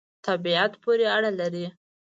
طبعیت پوری اړه لری